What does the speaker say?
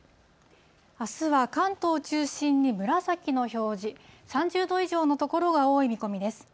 あすは関東を中心に紫の表示、３０度以上の所が多い見込みです。